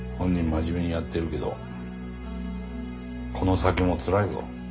真面目にやってるけどこの先もつらいぞ。